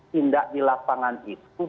tindak di lapangan itu